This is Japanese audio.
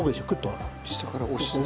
下から押し出す。